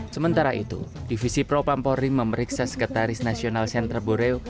sementara itu divisi propampori memeriksa sekretaris nasional sentra boreo